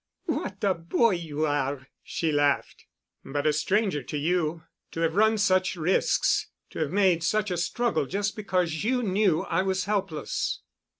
"What a boy you are!" she laughed. "But a stranger to you. To have run such risks—to have made such a struggle just because you knew I was helpless."